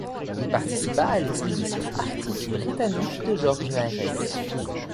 Il participa à l'expédition Arctique britannique de George Nares.